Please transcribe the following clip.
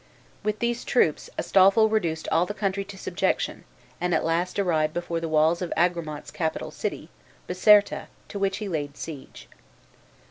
With these troops Astolpho reduced all the country to subjection, and at last arrived before the walls of Agramant's capital city, Biserta, to which he laid siege.